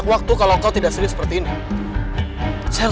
menawarkan dan mencari siapa saja begitu apa sama jahat gua